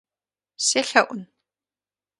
Селъэӏун?